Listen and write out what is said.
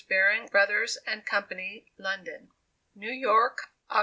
Baring, Brothers & Co., London: NEW YORK, Oct.